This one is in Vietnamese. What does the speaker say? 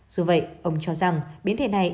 dù vậy ông cho rằng biến thể này